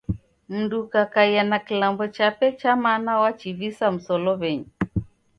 Mndu ukakaia na kilambo chape cha mana wachivisa musolow'enyi.